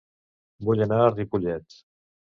Vull anar a Ripollet